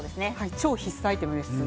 超必須アイテムです。